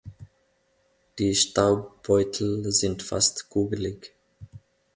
Die Staubbeutel sind fast kugelig.